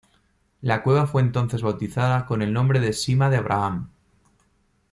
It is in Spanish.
La cueva fue entonces bautizada con el nombre de Sima de Abraham.